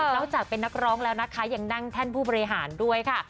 แล้วจากเป็นนักร้องแล้วนะคะยังนั่งแท่นผู้บริหารด้วยค่ะ